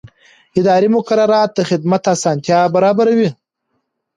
اداري مقررات د خدمت اسانتیا برابروي.